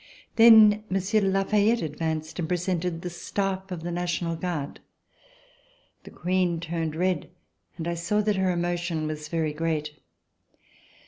Then Monsieur de La Fayette advanced and pre sented the Staff of the National Guard. The Queen turned red, and I saw that her emotion was very great.